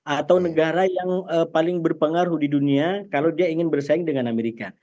atau negara yang paling berpengaruh di dunia kalau dia ingin bersaing dengan amerika